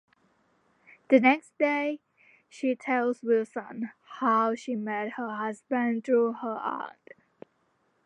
The next day, she tells Wilson how she met her husband through her aunt.